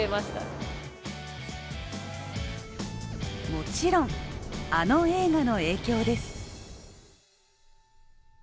もちろん、あの映画の影響です。